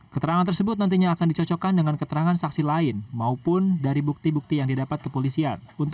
keterangan tersebut nantinya akan dicocokkan dengan keterangan saksi lain maupun dari bukti bukti yang didapat kepolisian